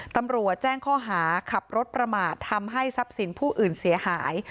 ตำรวจแจ้งข้อหาขับรถประมาททำให้ทรัพย์สินผู้อื่นเสียหาย